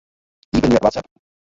Iepenje WhatsApp.